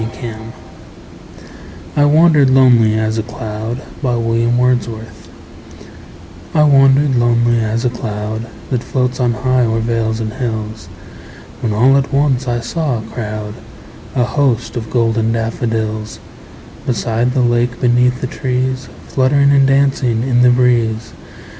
William Wordsworth I Wandered Lonely As a Cloud I WANDERED lonely as a cloud That floats on high o'er vales and hills, When all at once I saw a crowd, A host, of golden daffodils; Beside the lake, beneath the trees, Fluttering and dancing in the breeze.